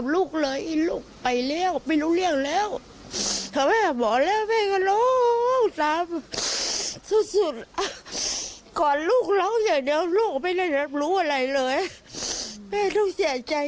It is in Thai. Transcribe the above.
ลูกไม่ได้รับรู้อะไรเลยแม่ต้องเสียใจนะ